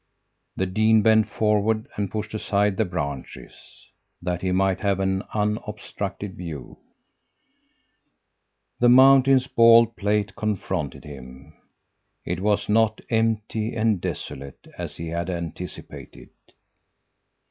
The dean bent forward and pushed aside the branches, that he might have an unobstructed view. "The mountain's bald plate confronted him. It was not empty and desolate, as he had anticipated.